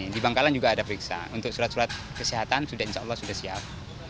di bangkalan juga ada periksa untuk surat surat kesehatan sudah insya allah sudah siap